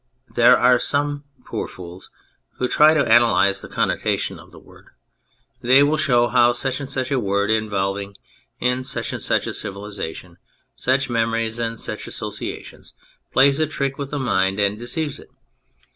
There are some (poor fools !) who try to analyse the connotation of the Word ; they will show how such and such a Word involving (in such and such a civilisation) such memories and such associa tions plays a trick with the mind and deceives it.